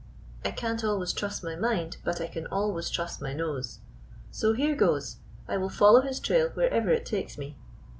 I can't always trust my mind ; but I can always trust my nose. So here goes. I will follow his trail wherever it takes me!"